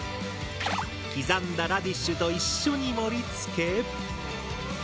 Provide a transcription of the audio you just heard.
刻んだラディッシュと一緒に盛りつけ。